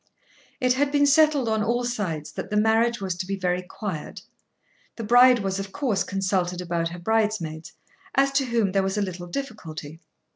It had been settled on all sides that the marriage was to be very quiet. The bride was of course consulted about her bridesmaids, as to whom there was a little difficulty.